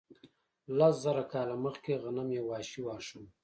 لس زره کاله مخکې غنم یو وحشي واښه و.